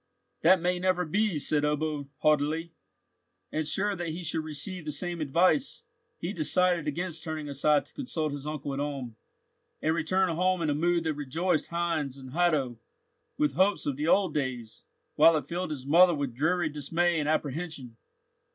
"That may never be," said Ebbo, haughtily. And, sure that he should receive the same advice, he decided against turning aside to consult his uncle at Ulm, and returned home in a mood that rejoiced Heinz and Hatto with hopes of the old days, while it filled his mother with dreary dismay and apprehension.